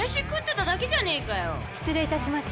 失礼いたします。